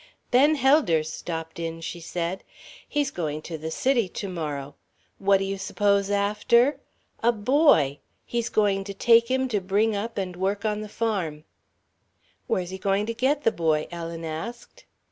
"Ben Helders stopped in," she told. "He's going to the City to morrow. What do you s'pose after? A boy. He's going to take him to bring up and work on the farm." "Where's he going to get the boy?" Ellen asked.